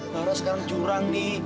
lara sekarang curang